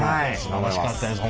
楽しかったです。